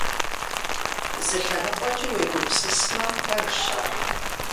Зы лъэныкъуэкӀи, уегупсысмэ, пэжщ ар.